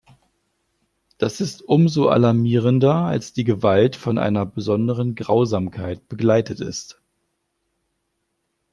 Das ist umso alarmierender, als die Gewalt von einer besonderen Grausamkeit begleitet ist.